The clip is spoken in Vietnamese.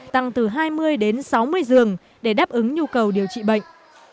tăng từ hai mươi đến sáu mươi giường để đáp ứng nhu cầu điều trị bệnh